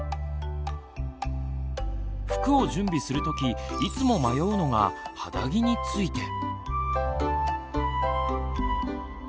服を準備する時いつも迷うのが肌着について。